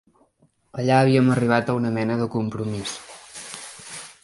Allà havien arribat a una mena de compromís